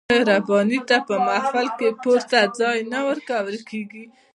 آیا ربابي ته په محفل کې پورته ځای نه ورکول کیږي؟